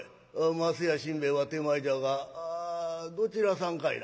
舛屋新兵衛は手前じゃがどちらさんかいな？